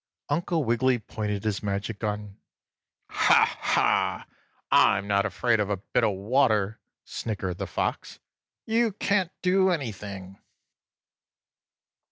Uncle Wiggily pointed his magic gun. "Ha! Ha! I'm not afraid of a bit of water!" snickered the Fox. "You can't do anything!"